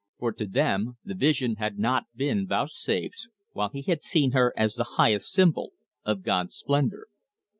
For to them the vision had not been vouchsafed, while he had seen her as the highest symbol of God's splendor.